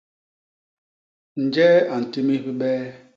Njee a ntimis bibee?